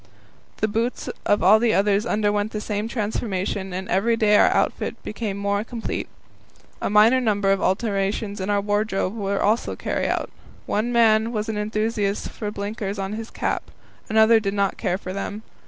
The boots of all the others underwent the same transformation, and every day our outfit became more complete. A number of minor alterations in our wardrobe were also carried out. One man was an enthusiast for blinkers on his cap; another did not care for them.